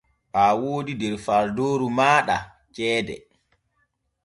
Aa woodi der faadooru maaɗa ceede.